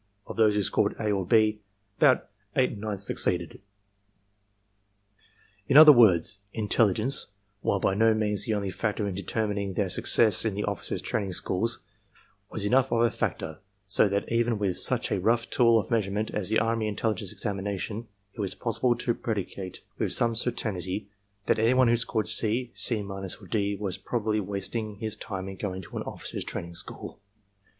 Of those who scored A or B, about eight ninths succeeded. In other words, intelligence, while by no means the only factor in determining their success in the oflScers' training schools, was enough of a factor so that even with such a rough tool of measurement as the army intelligence examination, it was possible to predicate with some certainty that anyone who scored C, C minus or D, was probably wasting his time in going to an officers' training school.